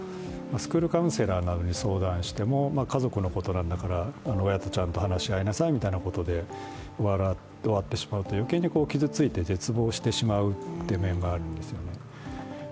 スクールカウンセラーなどに相談しても家族のことなんだから親とちゃんと話し合いなさいみたいなことで終わってしまうと、余計に傷ついて絶望してしまうという面があるんです。